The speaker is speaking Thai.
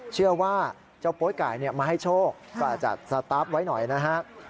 เชื่อว่าเจ้าป๊วยไก่มาให้โชคก็จัดสตั๊บไว้หน่อยนะครับ